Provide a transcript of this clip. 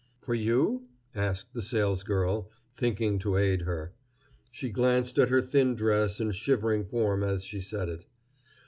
"For you?" asked the salesgirl, thinking to aid her. She glanced at her thin dress and shivering form as she said it.